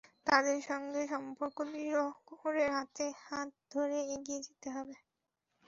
তাঁদের সঙ্গে সম্পর্ক দৃঢ় করে হাতে হাত ধরে এগিয়ে যেতে হবে।